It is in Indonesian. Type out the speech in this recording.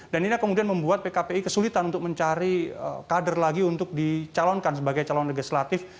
dan ini kemudian membuat pkpi kesulitan untuk mencari kader lagi untuk dicalonkan sebagai calon legislatif